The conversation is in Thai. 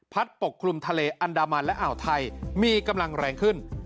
ปกคลุมทะเลอันดามันและอ่าวไทยมีกำลังแรงขึ้น